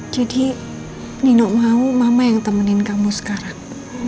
jadi nino mau mama yang temenin kamu sekarang